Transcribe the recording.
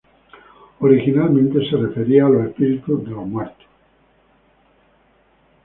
Originalmente se refería a los espíritus de los muertos.